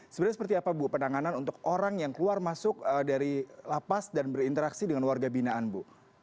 sebenarnya seperti apa bu penanganan untuk orang yang keluar masuk dari lapas dan berinteraksi dengan warga binaan bu